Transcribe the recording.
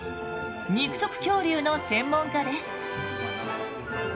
肉食恐竜の専門家です。